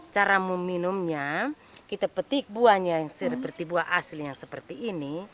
cara meminumnya kita petik buahnya yang seperti buah asli yang seperti ini